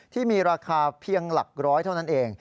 ที่มีราคาเพียงหลักร้อยเท่านั้นเอง